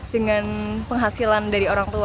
dengan penghasilan dari orang tua